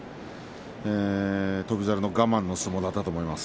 翔猿の我慢の相撲だったと思います。